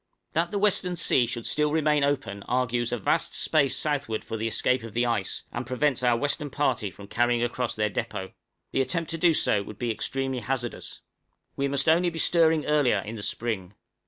That the western sea should still remain open argues a vast space southward for the escape of the ice, and prevents our western party from carrying across their depôt: the attempt to do so would be extremely hazardous. We must only be stirring earlier in the spring.